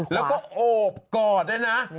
แล้วก็โอบกอดเนี่ยนะ